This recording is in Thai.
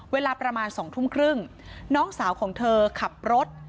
เวลาประมาณ๒ทุ่มครึ่งน้องสาวของเธอขับรถ